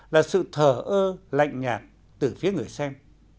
là sự thở ơ lạnh nhạt từ phía người xem